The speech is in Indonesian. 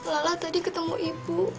lala tadi ketemu ibu